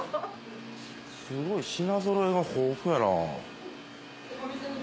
すごい品ぞろえが豊富やなぁ。